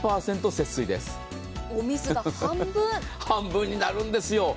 節水です、半分になるんですよ。